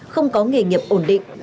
không có nghề nghiệp ổn định